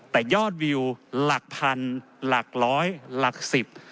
แต่ยอดวิวหลักพันหลักร้อยหลักสิบ